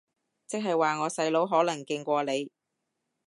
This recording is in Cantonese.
即係話我細佬可能勁過你